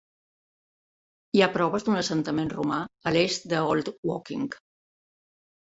Hi ha proves d'un assentament romà a l'est d'Old Woking.